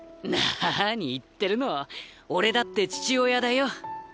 なに言ってるの俺だって父親だよ。